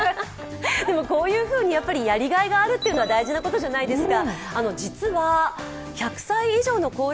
こういうふうにやりがいがあるというのは大事なことじゃないですか。